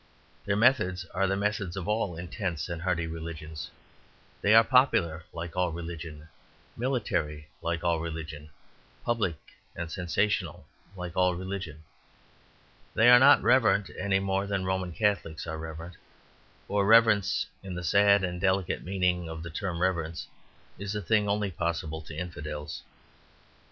Their methods are the methods of all intense and hearty religions; they are popular like all religion, military like all religion, public and sensational like all religion. They are not reverent any more than Roman Catholics are reverent, for reverence in the sad and delicate meaning of the term reverence is a thing only possible to infidels.